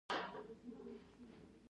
د حیض د درد لپاره د څه شي چای وڅښم؟